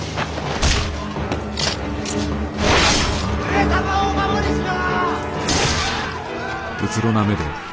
上様をお守りしろ！